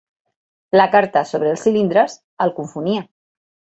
La carta sobre els cilindres el confonia.